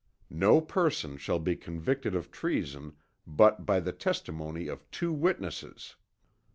No person shall be convicted of Treason but by the Testimony of two Witnesses.